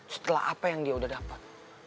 setelah apa yang dia udah dapat